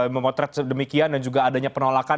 memotret demikian dan juga adanya penolakan